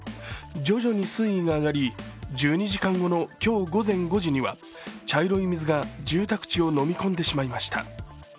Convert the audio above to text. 徐々に水位が上がり１２時間後の今日午前５時には茶色い水が住宅地をのみ込んでしまいました。